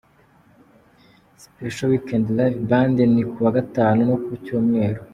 Special Weekend live Band ni ku wa Gatanu no ku Cyumweru